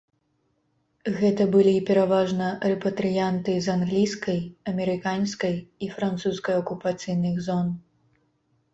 Гэта былі пераважна рэпатрыянты з англійскай, амерыканскай і французскай акупацыйных зон.